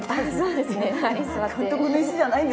そうですね。